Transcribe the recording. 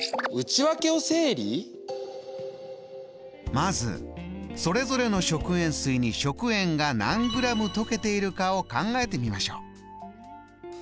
まずそれぞれの食塩水に食塩が何グラム溶けているかを考えてみましょう。